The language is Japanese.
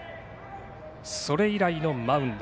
それ以外のマウンド。